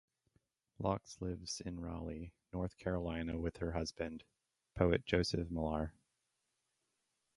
Laux lives in Raleigh, North Carolina with her husband, poet Joseph Millar.